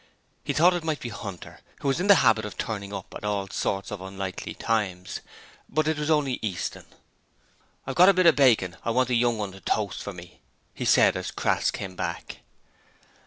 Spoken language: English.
He thought it might be Hunter, who was in the habit of turning up at all sorts of unlikely times, but it was only Easton. 'I've got a bit of bacon I want the young 'un to toast for me,' he said as Crass came back.